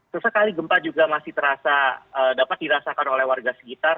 sesekali gempa juga masih terasa dapat dirasakan oleh warga sekitar